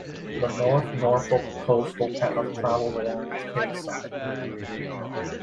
The North Norfolk Coastal Path travels along its quayside.